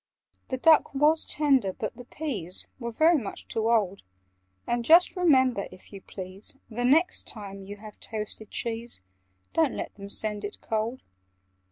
"The duck was tender, but the peas Were very much too old: And just remember, if you please, The next time you have toasted cheese, Don't let them send it cold.